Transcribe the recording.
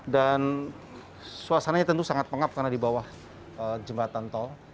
dan suasananya tentu sangat pengap karena di bawah jembatan tol